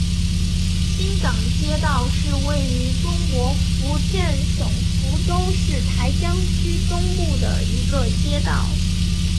新港街道是位于中国福建省福州市台江区东部的一个街道。